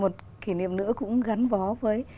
một kỷ niệm nữa cũng gắn vó với